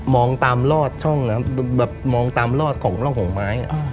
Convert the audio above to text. มองตามรอดช่องน้ำแบบมองตามรอดของร่องของไม้อ่ะ